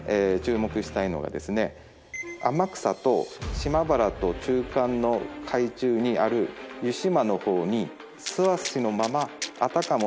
天草と島原と中間の海中にある湯島の方に素足のままあたかも